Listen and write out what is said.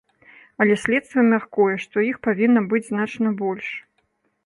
Але следства мяркуе, што іх павінна быць значна больш.